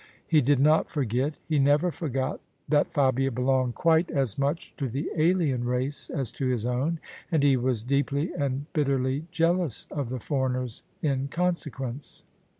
He did not forget: he never forgot that Fabia belonged quite as much to the alien race as to his own: and he was deeply and bitterly jealous of the foreigners in consequence.